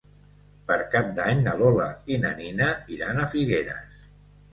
Per Cap d'Any na Lola i na Nina iran a Figueres.